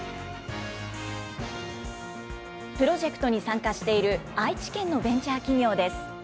プロジェクトに参加している愛知県のベンチャー企業です。